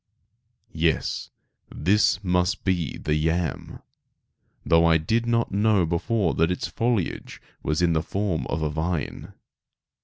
Yes, this must be the yam, though I did not know before that its foliage was in the form of a vine.